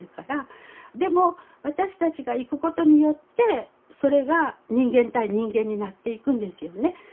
でも私たちが行くことによってそれが人間対人間になっていくんですよね。